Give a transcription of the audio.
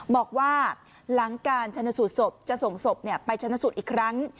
บอกว่าหลังการชนสูตรศพจะส่งศพไปชนะสูตรอีกครั้ง